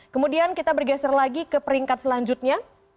kemudian kita bergeser lagi ke peringkat selanjutnya